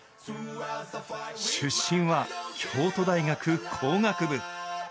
出身は京都大学工学部。